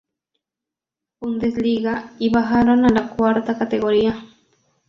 Bundesliga y bajaron a la cuarta categoría.